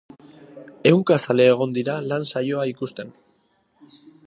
Ehunka zale egon dira lan saioa ikusten.